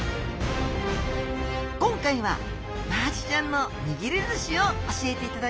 今回はマアジちゃんの握り寿司を教えていただきますよ！